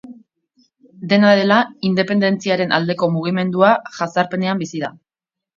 Dena dela, independentziaren aldeko mugimendua jazarpenean bizi da.